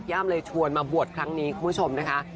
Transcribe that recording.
เลยชวนมาบวชครั้งนี้คุณผู้ชมนะคะ